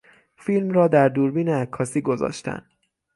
فیلم را در دوربین عکاسی گذاشتن